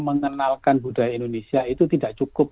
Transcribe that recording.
mengenalkan budaya indonesia itu tidak cukup